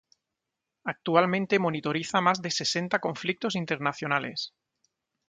Actualmente monitoriza más de sesenta conflictos internacionales.